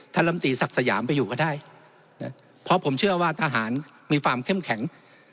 ลำตีศักดิ์สยามไปอยู่ก็ได้นะเพราะผมเชื่อว่าทหารมีความเข้มแข็ง